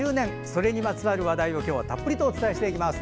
それにまつわる話題を今日はたっぷりとお伝えします。